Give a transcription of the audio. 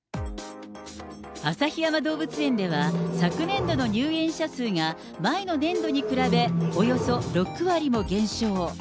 旭山動物園では、昨年度の入園者数が、前の年度に比べ、およそ６割も減少。